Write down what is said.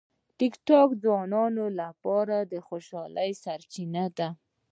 ټیکټاک د ځوانانو لپاره د خوشالۍ سرچینه ده.